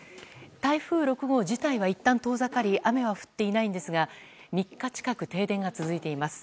台風６号自体はいったん遠ざかり雨は降っていないんですが３日近く停電が続いています。